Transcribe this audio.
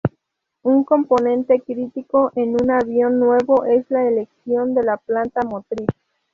Un componente crítico en un avión nuevo es la elección de la planta motriz.